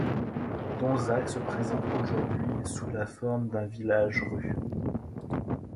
Donzacq se présente aujourd'hui sous la forme d'un village-rue.